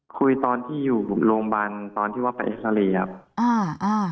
คุยตอนที่อยู่โรงพยาบาลตอนที่ว่าไปเอ็กซาเรย์ครับอ่าอ่า